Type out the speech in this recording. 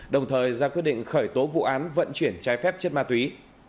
đồng thời ra quyết định khởi tố vụ án vận chuyển trái phép chất ma túy